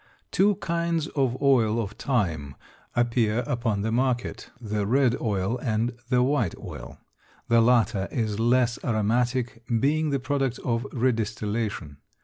Two kinds of oil of thyme appear upon the market, the red oil and the white oil. The latter is less aromatic being the product of redistillation.